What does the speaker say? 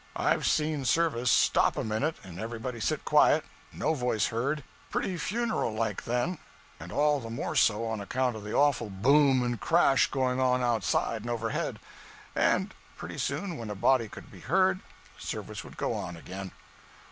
I've seen service stop a minute, and everybody sit quiet no voice heard, pretty funeral like then and all the more so on account of the awful boom and crash going on outside and overhead; and pretty soon, when a body could be heard, service would go on again.